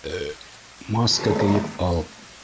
Маска кейеп ал